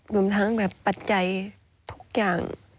ดูทางปัจจัยทุกอย่าง